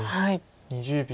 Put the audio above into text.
２０秒。